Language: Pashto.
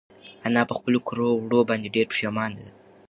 انا په خپلو کړو وړو باندې ډېره پښېمانه ده.